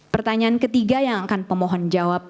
pertanyaan ketiga yang akan pemohon jawab